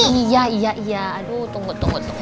iya iya aduh tunggu tunggu tunggu